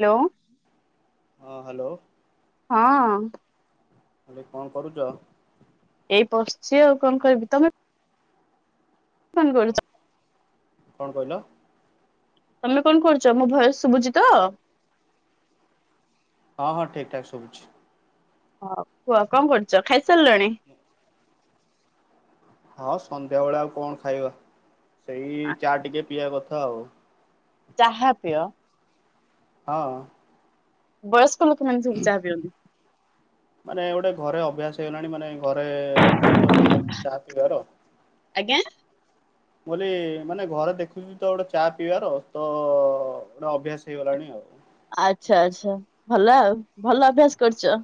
Hello. ହଁ hello. ହଁ। Hello. କଣ କରୁଚ? ଏଇ ବସିଚି ଆଉ କଣ କରିବି? ତମେ [unintelligible] କଣ କହିଲ? ତମେ କଣ କରୁଚ ମୋ ଭଏସ୍ ଶୁଭୁଚିତ? ହଁ ହଁ ଠିକ୍ ଠାକ୍ ଶୁଭୁଚି। ହଉ କୁହ କଅଁ କରୁଚ ଖାଇସାରିଲାଣି। ହଁ ସନ୍ଧ୍ୟାବେଳେ ଆଉ କଣ ଖାଇବା ସେଇ ଚା ଟିକେ ପିଇବା କଥା ଆଉ ଚାହା ପିଅ ହଁ। ବୟସ୍କ ଲୋକମାନେ ସବୁ ଚାହା ପିଅନ୍ତି। ମାନେ ଗୋଟେ ଘରେ ଅଭ୍ୟାସ ହେଇଗଲାଣି ମାନେ ଘରେ ଦେଖୁଚି ତ ଚା ପିିଇବର ଆଜ୍ଞା ବୋଲି ମାନେ ଘରେ ଦେଖୁଚି ତ ଗୋଟେ ଚା ପିଇବାର ତ ଗୋଟେ ଅଭ୍ୟାସ ହେଇଗଲାଣି ଆଉ ଆଚ୍ଛା ଆଚ୍ଛା ଭଲ ଆଭଭଲ ଅଭ୍ୟାସ କରିଚ଼।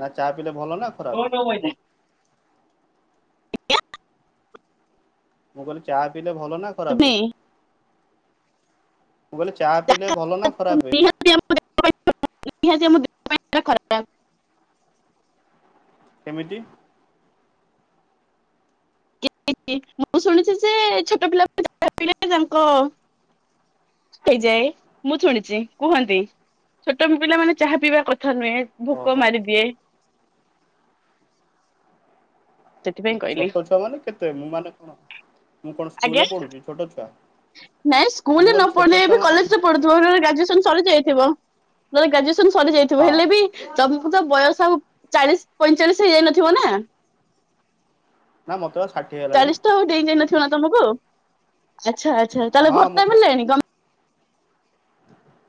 ନା ଚା ପିଲେ ଭଲ ନା ଖରାପ? ଓ ବୋଉ ବାଇଜେ। ମୁଁ ଇଲି ଚାହା ପିଇଲେ ଭଲ ନା ଖରାପେ ତୁମେ ମୁଁ କଇଲି ଚା ପିଇଲେ ଭଲ ନା ଖରାପେ ନିହାତି ଆମ ଦେହ ପାଇଁ ଖରାପ ନିଆତି ମାମ [unintelligible] କେମିତି [unintelligible] ମୁଁ ଶୁଣିଛି ଯେ ଛୋଟ ପିଲା ଯାହା ମିଳେ ତାଙ୍କ ହେଇଯାଏ ମୁଁ ଶୁଣିଛି କୁହନ୍ତି। ଛୋଟ ପିଲାମାନେ ଚାହା ପିଇବା କଥା ନୁହେଁ ଭୋକ ଓହୋ। ମାରିଦିଏ। ସେଥିପାଇଁ କହିଲି ଛୋଟ ଛୁଆ ମାନେ କେତେ ମାନେ କଣ। ମୁଁ କଣ ଆଜ୍ଞା। ସ୍କୁଲରେ ପଢୁଛି ଛୋଟ ଛୁଆ ମୁଁ କହିଲ ଛୋଟ ଛୁଆ ମାନେ କ ତୋର ନଲେ ଗ୍ରାଜୁଏସନ୍ ସରିଯାଇଥିବ ନହଲେ ଗ୍ରାଜୁଏସନ୍ ହଁ ସରିଯାଇଥିବ ହେଲେ ବି ତମକୁ ତ ବୟସ ଆଉ ଚାଳିଶି ପଇଁଚାଳିଶି ହେଇଯାଇନଥିବ ନା। ନା ମତେ ବା ଷାଠ ଚାଳିଶି ତ ଆଉ ଡେଇଁ ଯାଇନଥିବ ନା ତମକୁ ଆଚ୍ଛା ଆଚ୍ଛା ତାହେଲେ ହଁ ଭର୍ତ୍ତା ମତେ ମିଳିଲାଣି ଗମ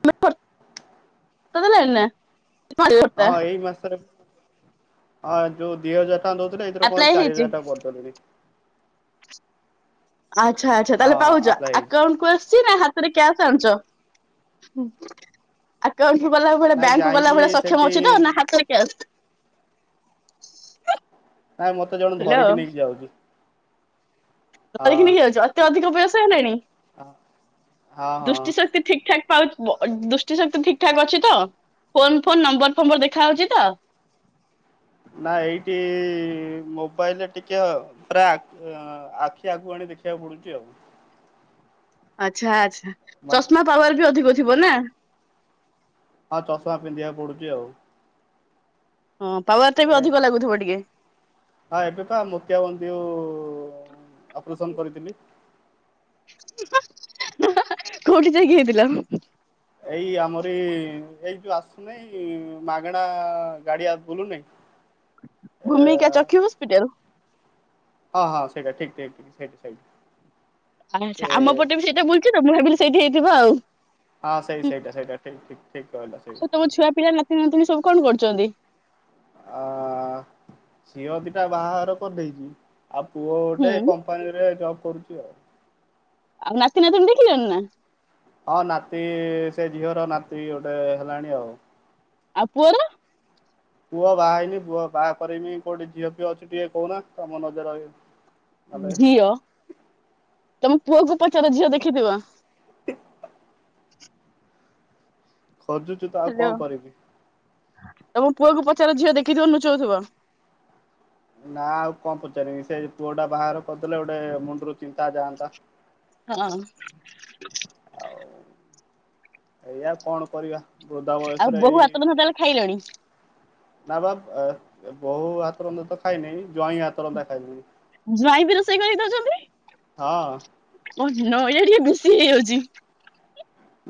ମାନେ ଭ-ଭର୍ତା ହେଲାଣି ନା। ଭତ୍ତା ହଁ ଏଇ ମାସରେ ହଁ ଯୋଉ ଦିଇ ହଜାର ହଁ ଦଉଥିଲେ ଏଥର ଆପ୍ଲାଏ କଣ ଚାରି ହେଇଛି। ହଜାର ଟଙ୍କା [unintelligible] ଆଚ୍ଛା ଆଚ୍ଛା ତାହେଲେ ହଁ ହଁ ପାଉଛ ଆପ୍ଲାଏ ହେଇଛି ଆକାଉଣ୍ଟ କୁ ଆସୁଛି ନା ହା ମୁଁ କଇଲି କ୍ୟାସ ଅନୁଚ଼। ଆକାଉଣ୍ଟ କୁ ଗଲା ବେଳେ ନାଇଁ ବ୍ୟାଙ୍କ କୁ ଯାଇକି ଗଲାବେଳେ ସେଠି ସକ୍ଷମ ଅଛି ତ ନା ହାତରେ କ୍ୟାସ। ନାଇଁ ମତେ ଜଣେ ହ୍ୟାଲୋ ଧରିକି ନେଇକି ଯାଉଚି। ଧରିକି ନେଇକି ଯାଉଚି ଏତେ ଅଧିକ ବୟସ ହେଲାଣି ହଁ ହଁ ଦୃଷ୍ଟିଶକ୍ ଠିକ ଠାକ୍ ପାଉଥିବ ଦୃଷ୍ଟି ଶକ୍ତି ଠିକ୍ ଠାକ୍ ଅଛି ତ ଫୋନ ଫୋନ୍ ନମ୍ବର ଫମ୍ବର ଦେଖାହଉଚି ତ ନା ଏଇଠି ମୋବାଇଲରେ ଟିକେ ଆଉ ପୁରା ଆଖି ଆଗୁକୁ ଆଣି ଦେଖିବାକୁ ପଡୁଚି ଆଉ ଆଚ୍ଛା ଆଚ୍ଛା ମାନେ ଚଷମା ପାୱାର ବି ଅଧିକ ଥିବ ନା ହଁ ଚଷମା ପିନ୍ଧିବାକୁ ପଡୁଚି ଆଉ ହଁ ପାୱାର ଟା ବି ଏ ଅଧିକ ଲାଗୁଥିବ ଟିକେ ହଁ ଏବେକା ମୋତିଆ ବିନ୍ଦୁ ଅପରେସନ କରିଥିଲି। ହଁ---କୋଉଠି ଯାଇକି ହେଇଥିଲ। ଏଇ ଆମରି ଏଇ ଯୋଉ ଆସୁନାହିଁ ମାଗଣା ଗାଡିଯୋଉ ବୁଲୁ ନାହିଁ। ଭୂମିକା ଚକ୍ଷୁ ହସ୍ପିଟାଲ ହଁ ହଁ ସେଟା ଠିକ ଠିକ ଠିକ ସେଥି ସେଇଠି ଆଚ୍ଛା ସେ ଆମ ପଟେ ବି ସେଇଟା ବୁଲିତ ମୁଁ ଭାବିଲି ସେଇଠି ହେଇଥିବ ଆଉ ହଁ ସେଇ ସେଇଟା ସେଇଟା ଠିକ୍ ଠିକ୍ ଠିକ୍ କହିଲ ସେଇଟା ଆଛା ତମ ଛୁଆ ପିଲା ନାତି ନାତୁଣୀ ସବୁ କଣ କରୁଛନ୍ତି। ଆ ଝିଅ ଦିଟା ବାହାଘର କରିଦେଇଚ। ଆଉ ପୁଅ ହୁଁ ଗୋଟେ କମ୍ପାନୀ ରେ ଜବ କରୁଛି ଆଉ। ଆ ନାତି ନାତୁଣୀ ଦେଖିଲେଣି ନା? ହଁ ନାତି ସେ ଝିଅର ନାତି ଗୋଟେ ହେଲାଣି ଆଉ। ଆଉ ପୁଅର? ପୁଅ ବାହା ହେଇନି ପୁଅ ବାହା କରିବି। କୋଉଠି ଝିଅ ପିଅ ଅଛିି ଟିକେ କହୁନା ତମ ନଜର ରହିବ? ଝିଅ ତମ ପୁଅକୁ ପଚାର ଝିଅ ଦେଖିଥିବ। ଖୋଜୁଛୁ ତ ଆଉ ହ୍ୟାଲୋ। କଣ କରିବି? ତମ ପୁଅ ପଚାର ଝିଅ ଦେଖିଥିବ ନୁଚଉଥିବ? ନା ଆଉ କଣ ପଚାରିନି ସେ ପୁଅଟା ବାହାର କରିଦେଲେ ଗୋଟେ ମୁଣ୍ଡରୁ ଚିନ୍ତା ଯାଆନ୍ତା। ହଁ। ଏଇଆା କଣ କରିବା ବୃଦ୍ଧା ଆଉ ବୟସରେ ବୋହୁ ଏଇ ହାତ ରନ୍ଧା ତାହେଲେ ଖାଇଲଣି? ନା ବା ବୋହୁ ହାତ ରନ୍ଧା ତ ଖାଇନି ଜଇଁ ହାତ ରନ୍ଧା ଖାଇଲିି। ଜ୍ବାଇଁ ବି ରୋଷେଇ କରି ଦଉଛନ୍ତି? ହଁ। ଓ ନୋ ଟିକେ ବେଶି ହେଇଯାଉଛି।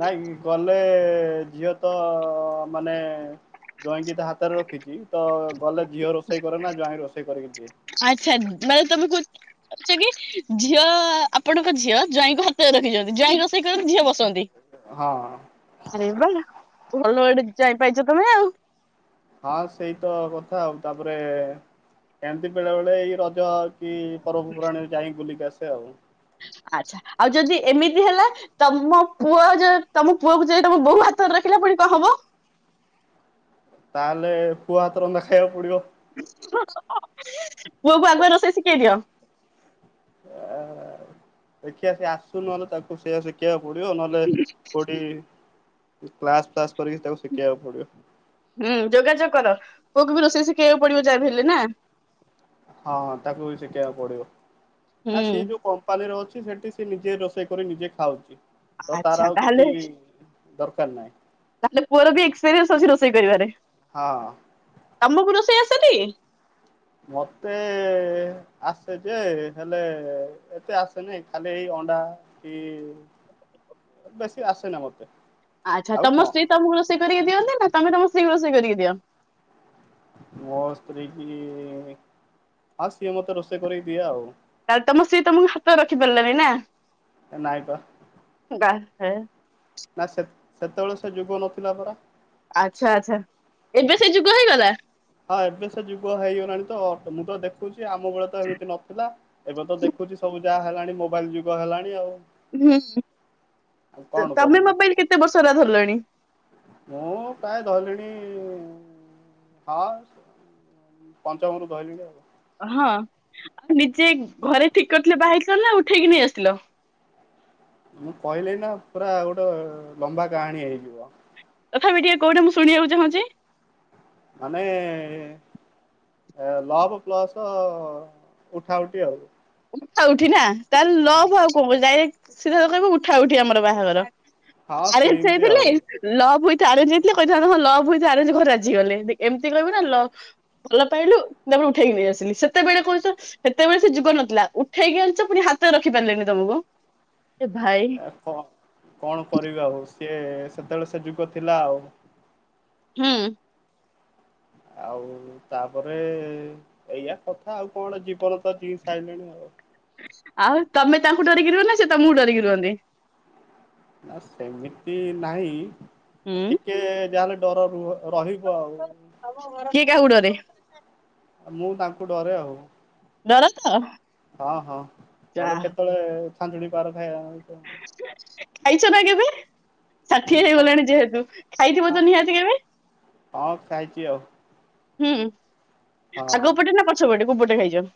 ନାଇଁ ଗଲେ ଝିଅ ତ ମାନେ ଜଇଁକି ତା ହା ହାତରେ ରଖିଛି ତ ଗଲେ ଝିଅ ରୋଷେଇ କରେ ନା ଜ୍ବାଇଁ ରୋଷେଇ କରିକି ଦିଏ। ଆଚ୍ଛାମାନେ ତମେ କହୁଚ ଛ କି ଝିଅ ଆପଣଙ୍କ ଝିଅ ଜ୍ୱାଇଁଙ୍କୁ ହାତରେ ରଖିଛନ୍ତି ଜ୍ୱାଇଁ ରୋଷେଇ କର ଝିଅ ବସନ୍ତି। ହଁ। ଆରେ ବା ଭଲ ଆଡେ ଯ୍ୱାଇ ପାରଛ ତମେ। ହଁ ସେଇ ତ କଥା ଆଉ ତାପରେ କେମିତି ବେଳେ ବେଳେ ଏଇ ରଜ କି ପର୍ବପର୍ବାଣିରେ ଯାଇ ବୁଲିକି ଆସେ ଆଉ। ଆଚ୍ଛା ଆଉ ଯଦି ଏମିତି ହେଲା। ତମ ପୁଅ ଯଉ ତମ ପୁଅକୁ ଯାଇ ତମ ବୋହୁ ହାତରେ ରଖିଲା ପୁଣି କଣ ହବ? ତାହେଲେ ପୁଆ ହାତ ରନ୍ଧା ଖାଇବାକୁ ପଡିବ। ପୁଅକୁ ଆଗୁଆ ରୋଷେଇ ଶିଖେଇ ଦିଅ। ଆ ଦେଖି ଆସି ଆସୁ ନହେଲେ ତାକୁ ସେୟା ସ ଶିଖିବାକୁ ପଡିବ ନହେଲେ କୋଉଠି କ୍ଲାସ ଫ୍ଲାସ କରିକି ତାକୁ ଶିଖେଇକୁ ପଡିବ। ହୁଁ ଯୋଗାଯୋଗ କର ପୁଅକୁ ବି ରୋଷେଇ ଶିଖେଇିବାକୁ ପଡିବ ଯା ବି ହେଲେ ନା। ହଁ ହଁ ତାକୁ ବି ଶିଖେଇଆକୁ ପଡିବ ହୁଁ ନା ସିଏ ଯୋଉ କମ୍ପାନୀର ଅଛି ସେଠି ସେ ନିଜେ ରୋଷେଇ କରି ନିଜେ ଖାଉଛି ତ ଆଚ୍ଛା ତାର ଆଉ ତାହେଲେ କିଛି ଦରକାର ନାହିଁ। ତାହେଲେ ପୁଅର ବି ଏକ୍ପିରିଏନ୍ସ ଅଛି ରୋଷେଇ କରିବାରେ। ହଁ। ତମକୁ ରୋଷେଇ ଆସେଟି? ମତେ ଆସେ ଯେ ହେଲେ ଏତେ ଆସେନି ଖାଲି ଏଇ ଅଣ୍ଡା କି ବେଶି ଆସେ ନା ମୋତେ। ଆଚ୍ଛା ତମ ସ୍ତ୍ରୀ ତମକୁ ରୋଷେଇ କରିକି ଦିଅନ୍ତି ନା ତମେ ତମ ସ୍ତ୍ରୀ ରୋଷେଇ କରିକୀ ଦିଅ? ମୋ ସ୍ତ୍ରୀ କି ହଁ ସିଏ ମତେ ରୋଷେଇ କରି ଦିଏ ଆଉ। ତାହଲେ ତମ ସ୍ତ୍ରୀ ତମ ହାତ ରଖି ପାରିଲାନି ନା। ନାଇଁ କ। ଗାଁ [unintelligible] ନା ସେ ସେତେବେଳେ ସେ ଯୁଗ ନଥିଲା ପରା। ଆଚ୍ଛା ଆଚ୍ଛା ଏବେ ସେ ଯୁଗ ହେଇଗଲା। ହଁ ଏବେ ଯୁଗ ହେଇଗଲାଣି ତ ମୁଁ ତ ଦେଖ ଦେଖୁଛି ଆମ ବେଳେ ତ ଏମିତି ନଥିଲା। ଏବେ ତ ଦେଖୁଛି ସବୁ ଯାହା ହେଲାଣି ମୋବାଇଲ ଯୁଗ ହେଲାଣି ଆଉ। ହୁଁ ଆଉ କଣ ତମେ କରିବି ମୋ ପାଇଁ କେତେ ବର୍ଷ ହେଲା ଧରିଲଣି? ମୁଁ ପ୍ରାୟ ଧରିଲିଣି। ହଁ ପଞ୍ଚମରୁ ଧଇଲିଣି ଆଉ। ହଁ ଆଉ ନିଜେ ଘରେ ଠିକ କରିଥିଲେ ବାହାହେଇଥିଲ ନା ଉଠେଇକି ନେଇ ଆସିଥିଲ। ମୁଁ କହିଲି ନା ପୁରା ଗୋଟେ ଲମ୍ବା କାହାଣୀ ହେଇଯିବ। ତଥାପି ଟିକେ କୋଉଠି ମୁଁ ଶୁଣିବାକୁ ଚାହୁଁଛି। ମାନେ ଏ ଲଭ୍ ପ୍ଲସ୍ ଉଠା ଉଠି ଆଉ ଉଠା ଉଠି ନା ତାଲେ ଲଭ୍ ଆଉ କଣ କ ଯାଇ ସିଧା କହିବୁ ଉଠା ଉଠି ଆମର ବାହାଘର। ହଁ ଆରେଞ୍ଜ ସେମିତି ହେଇଥିଲେ ଆଉ। ଲଭ୍ ୱିଥ୍ ଆରେଞ୍ଜ ହେଇଥିଲେ କହିଥାନ୍ତ ହଁ ଲଭ୍ ୱିଥ ଆରେଞ୍ଜ ଘରେ ଗଲେ ଏମିତି କହିବ ନା ଲଭ ଭଲ ପାଇଲୁ ତାପରେ ଉଠେଇକି ନେଇ ଆସିଲି। ସେତେବେଳେ କହୁଛ ସେତେବେଳେ ସେ ଯୁଗ ନଥିଲା। ଉଠେଇକି ଆଣିଛ ପୁଣି ହାତରେ ରଖି ପାରିଲେନି ତମକୁ ଏ ଭାଇ ଓହୋ କଣ କରିବି ଆଉ ସିଏ ସେତେବେଳେ ସେ ଯୁଗ ଥିଲା ଆଉ। ହୁଁ। ଆଉ ତାପରେ ଏଇଆ କଥା ଆଉ କଣ ଜୀବନ ତ ଜି ସାରିଲେଣି ଆଉ। ଆଉ ତମେ ତାଙ୍କୁ ଡରିକି ରୁହନ ନା ସେ ତୁମକୁ ଡରିକି ରୁହନ୍ତି? ନା ସେମିତି ନାହିଁ ଅତି ହୁଁ ଟିକେ ଯାହେଲେ ଡର ରୁହ ରହିବ ଆଉ। କିଏ କାହାକୁ ଡରେ? ଆ ମୁଁ ତାଙ୍କୁ ଡରେ ଆଉ। ଡର ତ ହଁ ହଁ ଯା ନହେଲେ କେତେବେଳେ ଛାଞ୍ଚୁଡି ପାହାର ଖାଇବା ପାଇଁ ଖାଇଛ ନା କେବେ ଷାଠିଏ ହଁ ହେଇଗଲାଣି ଯେହେତୁ ଖାଇଥିବ ହଁ ତ ନିହାତି କେବେ। ହଁ ଖାଇଛି ଆଉ। ହୁଁ ଆଗ ହଁ ପଟେ ନା ପଛ ପଟେ କୋଉ ପଟେ ଖାଇଛ?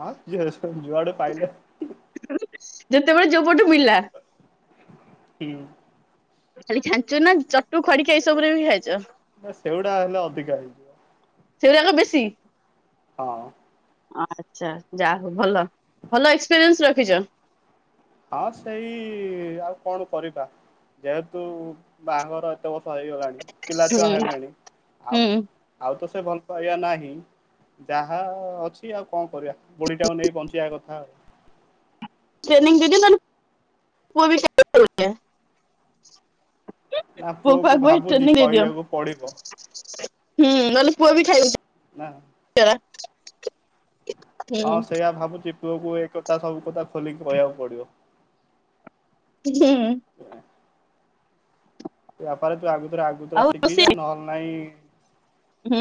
ହଁ ଯିଏ ଯୁଆଡୁ ପାଇଲେ। ଯେତେବେଳେ ଯୋଉ ପଟୁ ମିଳିଲା। ହୁଁ। ଖାଲି ଛାଞ୍ଚୁଣି ନା ଚଟୁ ଖଡିକା ଏଇସବୁରେ ବି ଖାଇଛ? ନା ସେଗୁଡା ହେଲେ ଅଧିକା। ସେଗୁଡ଼ାକ ବେଶୀ? ହଁ। ଆଚ୍ଛା ଯା ହଉ ଭଲ ଭଲ ଏକ୍ସପିରିଏନ୍ସ ରଖିଛ। ହଁ ସେଇ ଆଉ କଣ କରିବା। ଯେହେତୁ ବାହାଘର ଏତେ ବର୍ଷ ହେଇଗଲାଣି ପିଲାଛୁଆ ହୁଁ ହେଲେଣି ଆଉ ହୁଁ। ଆଉ ତ ସେ ଭଲ ପାଇବା ନାହିଁ। ଯାହା ଅଛି ଆଉ କଣ କରିବା ବୁଢି ଟାକୁ ନେଇ ବଞ୍ଚିବା କଥା ଆଉ। ଟ୍ରେନିଂ ଦେଇ ଦିଅ ନନେ ପୁଅବି ଖାଇବ ଏଇପରିକା। ନା ପୁଅ କୁ ଭାବୁଛି କହିବାକୁ ପଡିବ। ହୁଁ ନହେଲେ ପୁଅ ବି ଖାଇବ ନା ସେରା ହଁ ସେଇୟା ଭାବୁଛି ପୁଅକୁ ଏଥା କଥା ସବୁ କଥା ଖୋଲିକି କହିବାକୁ ପଡିବ। ହୁଁ। ବାପାରେ ତୁ ଆଗୁତୁରା ଆଗୁତୁରା ଆଉ ଶିଖିଯା ରୋଷେଇ ନହେଲେ ନାଇଁ ହୁଁ।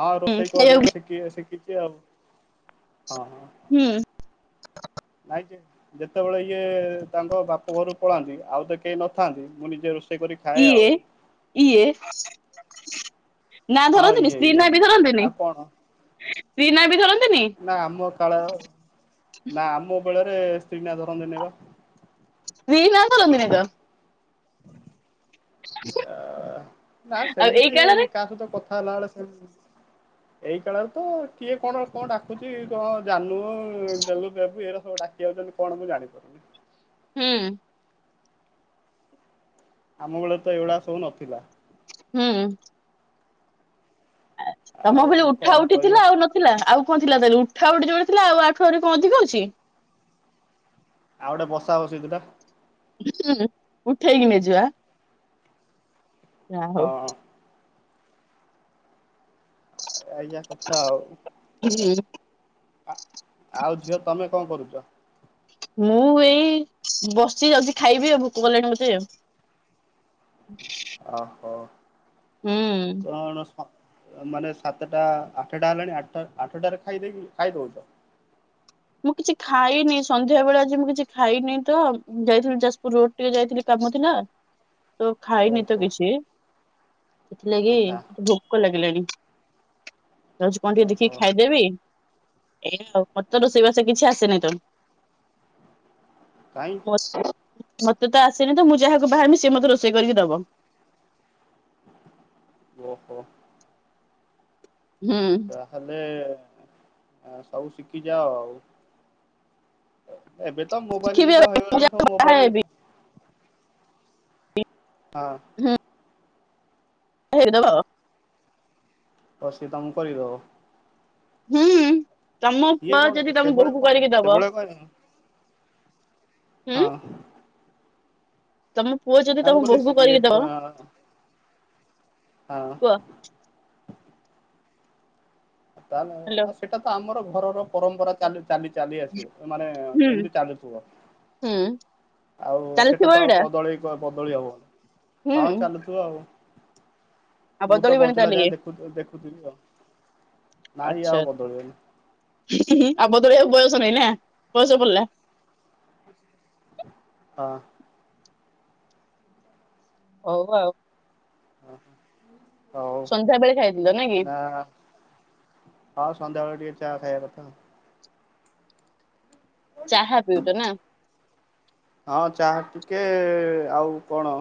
ହଁ ରୋଷେଇ କରେ ଖାଇବାକୁ ଶଖି ଶିଖିଛି ଆଉ ହଁ ହଁ। ହୁଁ। ନାଇ ଯେ ଯେତେବେଳେ ଇଏ ତାଙ୍କ ବାପ ଘରୁକୁ ପଳାନ୍ତି ଆଉ ତ କେହି ନଥାନ୍ତି ମୁଁ ନିଜ ରୋଷେଇ କରି ଖାଏ ଆଉ। ଇଏ ଇଏ ନା ହଁ ଧରନ୍ତିନି ଇଏ ସ୍ତ୍ରୀ ଇଏ ନା ବି ଇଏ ଧରନ୍ତିନି ଆଉ କଣ ସ୍ତ୍ରୀ ନା ବି ଧରନ୍ତିନି ନା ଆମ କାଳ ନା ଆମ ବେଳରେ ସ୍ତ୍ରୀନା ଧର ନବା ସ୍ତ୍ରୀ ନାଁ ଧରନ୍ତିନୀ ଦିନେ ତ ନା ଆଉ ଏଇ ସେମିତି କାଳରେ କାହା ସହିତ କଥା ହେଲା ବେଳେ ସେମ ଏଇ କାଳରେ ତ କିଏ କଣ କଣ ଡାକୁଛି କଣ ଜାନୁ-ଉ-ଉ, ଗେଲୁ, ବେବି ଏରା ସବୁ ଡା କିଏ ଜାନୁ କଣ ମୁଁ ଜାଣିପାରୁନି। ହୁଁ। ଆମ ବେଳେ ତ ଏଇଗୁଡ଼ା ସବୁ ନଥିଲା। ହୁଁ। ତମ ଆଉ ଭଳି ଉଠା କଣ ଉଠି କରିବା। ଥିଲା ଆଉ ନଥିଲା ଆଉ କଣ ଥିଲା ତାହେଲେ ଉଠା ଉଠି ଯୋଉଟି ଥିଲା ଆଉ ଆଠୁ ଆରି କଣ ଅଧିକ ଅଛି। ଆଉ ଗୋଟେ ବସା ବସି ଥିଲା। ହୁଁ ଉଠେଇକିି ନେଇ ଯିବା। ଯା ହଉ। ହଁ ଆଜ୍ଞା କଥା ଆଉ। ହୁଁ। ଆ ଆଉ ଝିଅ ତମେ କଣ କରୁଛ? ମୁଁ ଏଇ ବସିଚି ଯାଉଛି ଖାଇବି ଆଉ ଭୋକ କଲାଣି ମୋତେ-ଏ। ହୁଁ ଓହୋ କଣ ସ ଅ ମାନେ ସାତଟା ଆଠଟା ହେଲାଣି ଆଠଟ୍ ଆଠଟାରେ ଖାଇଦେଇ ଖାଇଦଉଛ? ମୁଁ କିଛି ଖାଇନି ସନ୍ଧ୍ୟା ବେଳେ ଆଜି ମୁଁ କିଛି ଖାଇନି ତ ଯାଇଥିଲି ଯାଜପୁର ରୋଡ ଟିକେ ଯାଇଥିଲି କାମ ଥିଲା। ତ ଖାଇନି ତ ଓହୋ କିଛି ସେଥିଲାଗି ଆଚ୍ଛା ଭ୍ ଭୋକ ଲାଗିଲାଣି ଯାଉଛି କଣ ଟିକେ ଦେଖିକି ଓହୋ ଖାଇଦେବି ଏୟା ଆଉ ପ ତ ରୋଷେଇବାସ କିଛି ଆସେନି ତ। କାଇଁ? [unintelligible] ମତେ ତ ଆସେନି ତ ମୁଁ ଯାହାକୁ ବାହାହେବି ସିଏ ମୋତେ ରୋଷେଇ କରିକି ଦବ। ଓ ହୋ। ହୁଁ। ତାହେଲେ ଅ ସବୁ ଶିଖିଯାଅ ଆଉ। ଏବେ ତ ମୋବାଇଲ ଶିଖିବି ଆଉ ଯୁଗ ହେଇଗଲାଣି ସବୁ ବାହା ମୋବାଇଲ ହେବି ହଁ। ହୁଁ। ହେଇ ଦବ ଓ ସିଏ ତମକୁ କରିକି ଦବ? ହୁଁ ତମ ସିଏ ପୁଅ କଣ ଯଦି ତମ ସେଭଳିଆ ବୋହକୁ କଣ କରିକି ଦବ। ସେଭଳିଆ କଣ ହୁଁ ହଁ। ତମ ପୁଅ ଯଦି ନା ମୁଁ ତମ କହିଲି ବୋହୂକୁ ସିଏ କରିକି ଦବ ହଁ କୁହ। ତାହେଲେ ହ୍ୟାଲୋ ଆଉ ସେଇଟା ତ ଆମର ଘରର ପରମ୍ପରା ଚାଲି ଚାଲି ଚାଲି ଆସିବ ମାନେ-ଏ-ଏ ହୁଁ ଏମିତି ଚାଲୁଥିବ। ହୁଁ। ଆଉ ସେଟା ଚାଲିଥିବ ତ ଆଉ ଏଇଟା ବଦଳେଇ ବ ବଦଳି ହବ ହୁଁ ହଁ ଚାଲୁଥିବ ଆଉ। ଆଉ ମୁଁ ତ ବଦଳିବନି ବଞ୍ଚିଲା ତାହେଲେ ଇଏ ଯାଏ ଦେଖୁ ଦେଖୁଥିବି ଆଉ ନାଇଁ ଇଏ ଆଉ ବଦଳିବନି। ହୁଁ ଆଉ ବଦଳେଆକୁ ବୟସ ନାଇଁ ନା ବୟସ ପଡିଲା। ହଁ। ହଉ ଆଉ। ହ ହଉ ସନ୍ଧ୍ୟା ବେଳେ ଖାଇଥିଲ କି ନା। ହ ସନ୍ଧ୍ୟାବେଳେ ଟିକେ ଚା ଖାଇବା କଥା। ଚାହା ପିଉଛ ନା? ହଁ ଚାହା ଟିକେ-ଏ-ଏ-ଏ ଆଉ କଣ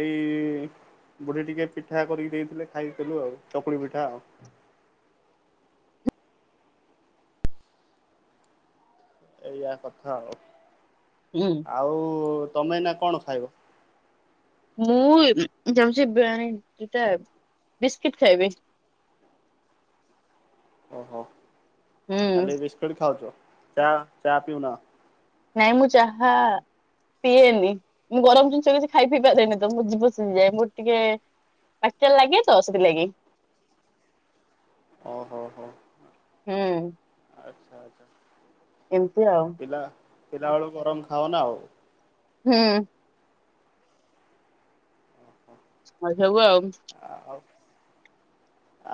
ଏଇ-ଇ-ଇ-ଇ ବୁଢୀ ଟିକେ ପିଠା କରିକି ଦେଇଥିଲେ ଖାଇଥିଲୁ ଆଉ ଚକୁଳି ପିଠା ଆଉ। ଏଇଆ କଥା ଆଉ। ହୁଁ। ଆଉ-ଉ-ଉ-ଉ-ଉ ତମେ ଏଇନା କଣ ଖାଇବ? ମୁଁ ଏ ଯାଉଚି ବ୍ୟାନ୍ ଦିଟା ବିସ୍କିଟ୍ ଖାଇବି। ଓହୋ ହୁଁ ଖାଲି ବିସ୍କିଟ୍ ଖାଉଚ ଚା ଚା ପିଉନାଅ? ନାଇଁ ମୁଁ ଚାହା ପିଏନି ମୁଁ ଗରମ ଜିନିଷ କିଛି ଖାଇ ପିଇ ପାରେନି ତ ମୁଁ ଜିଭ ସିଜି ଯାଏ ମୋର ଟିକେ ପାଚା ଲାଗେ ତ ସେଥିଲାଗି। ଓହୋ ହୋ ହୁଁ। ଆଚ୍ଛା ଆଚ୍ଛା। ଏମ୍ତି ଆଉ। ପିଲା ପିଲା ବେଳୁ ଗରମ ଖାଅନା ଆଉ। ହୁଁ। [unintelligible] ଆଉ ଆଉ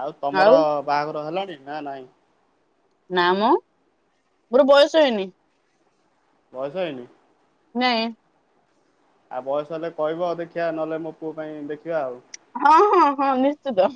ଆଉ ତମର ବାହାଗର ହେଲାଣି ନା ନାଇଁ? ନା ମ ମୋର ବୟସ ହେଇନି। ବୟସ ହେଇନି? ନାଇଁ। ଆଉ ବୟସ ହେଲେ କହିବ ଦେଖିଆ ନହେଲେ ମୋ ପୁଅ ପାଇଁ ଦେଖିବା ଆଉ। ହଁ ହଁ ହଁ ନିଶ୍ଚିତ।